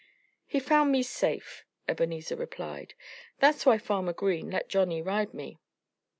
"He found me safe," Ebenezer replied. "That's why Farmer Green let Johnnie ride me."